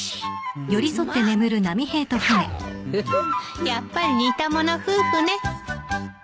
フフッやっぱり似た者夫婦ね。